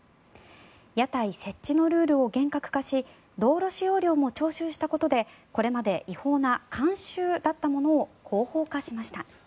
屋台設置のルールを厳格化し道路使用料も徴収したことでこれまで違法な慣習だったものを合法化しました。